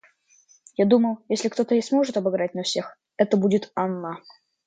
Я думал, если кто-то и сможет обыграть нас всех, это будет она.